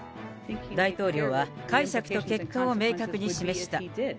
大統領は、解釈と結果を明確に示した。